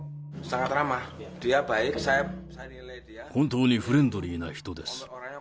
本当にフレンドリーな人です。